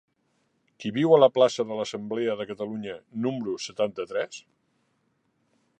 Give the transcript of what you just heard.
Qui viu a la plaça de l'Assemblea de Catalunya número setanta-tres?